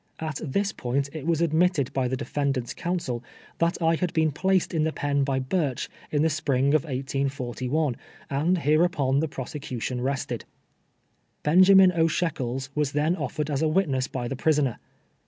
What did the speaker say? At this point it was admitted by the defendant's counsel, tliat I had been placed in the pen by Burch in the spring of 181:1, and hereupon the prosecution rested. Benjamin O. Shekels was then offered as a witness by the prisoner.